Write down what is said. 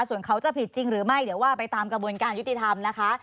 ส่วนเขาจะผิดจริงหรือไม่เดี๋ยวว่าไปตามกระบวนการยุติธรรมนะคะ